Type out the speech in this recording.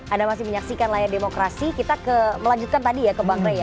anda masih menyaksikan layar demokrasi kita melanjutkan tadi ya ke bang rey ya